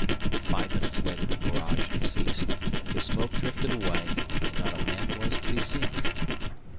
Five minutes later the barrage ceased, the smoke drifted away and not a man was to be seen.